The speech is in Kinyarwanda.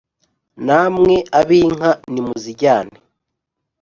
namwe ab’inka nimuzijyane